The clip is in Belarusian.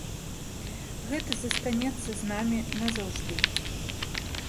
Гэта застанецца з намі назаўжды.